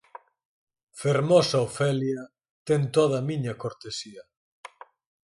Fermosa Ofelia, ten toda a miña cortesía.